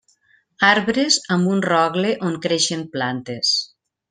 Arbres amb un rogle on creixen plantes.